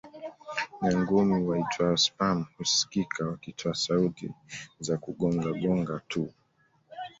Nyangumi waitwao sperm husikika wakitoa sauti za kugonga gonga tu